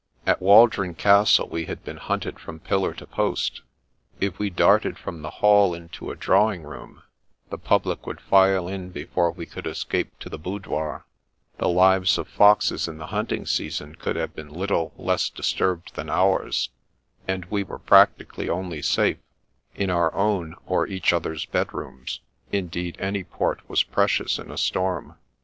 At Waldron Castle we had been hunted from pillar to post ; if we darted from the hall into a drawing room, the public would file in before we could escape to the boudoir ; the lives of foxes in the hunting season could have been little less disturbed than ours, and we were practically only safe in our own or each other's bedrooms — indeed, any port was precious in a storm.